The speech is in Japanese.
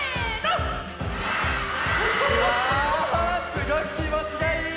すごくきもちがいい！